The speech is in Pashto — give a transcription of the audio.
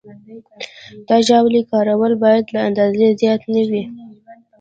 د ژاولې کارول باید له اندازې زیات نه وي.